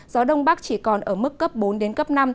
gió đông bắc chỉ còn ở mức cấp bốn năm